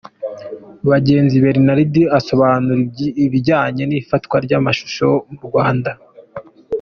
Bagenzi Bernard asobanura ibijyane n’ifatwa ry’amashusho mu Rwanda.